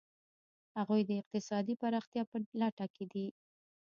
هغوی د اقتصادي پرمختیا په لټه کې دي.